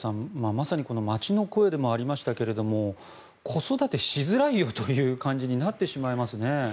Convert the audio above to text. まさに街の声でもありましたが子育てしづらいよという感じになってしまいますね。